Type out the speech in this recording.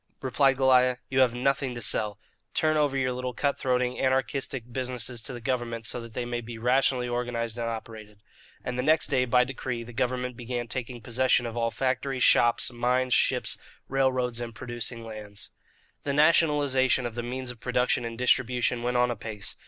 replied Goliah. "You have nothing to sell. Turn over your little cut throating, anarchistic businesses to the government so that they may be rationally organized and operated." And the next day, by decree, the government began taking possession of all factories, shops, mines, ships, railroads, and producing lands. The nationalization of the means of production and distribution went on apace.